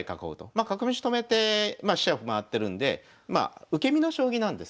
ま角道止めて飛車を回ってるんでまあ受け身の将棋なんですね。